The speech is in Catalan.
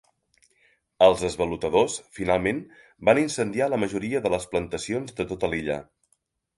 Els esvalotadors finalment van incendiar la majoria de les plantacions de tota l'illa.